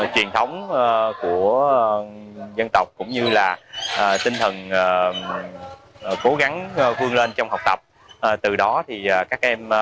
truyền thống của